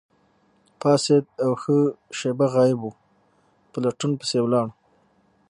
پاڅید او ښه شیبه غایب وو، په لټون پسې ولاړ.